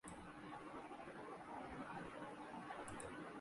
Saint Kitts اور Nevis